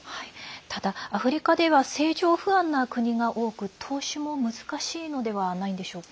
ただ、アフリカでは政情不安な国が多く投資も難しいのではないんでしょうか。